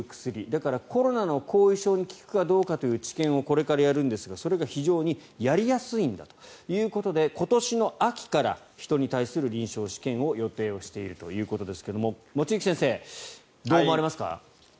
だからコロナの後遺症に効くかどうかという治験をこれからやるんですがそれが非常にやりやすいんだということで今年の秋から人に対する臨床試験を予定しているということですが望月先生、どう思われますか？